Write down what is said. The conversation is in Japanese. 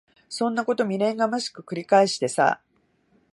そんなこと未練がましく繰り返してさ。